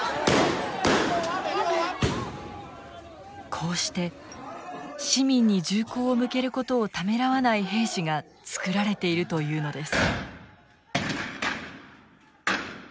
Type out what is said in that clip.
こうして市民に銃口を向けることをためらわない兵士が作られているというのです。